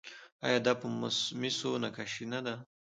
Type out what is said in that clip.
آیا دا په مسو نقاشي نه ده؟